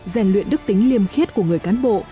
rèn luyện đức tính liêm khiết của người cán bộ